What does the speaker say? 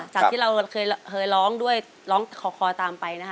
จากที่เราเคยร้องด้วยร้องคอตามไปนะคะ